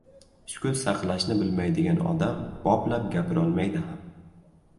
Sukut saqlashni bilmaydigan odam boplab gapirolmaydi ham.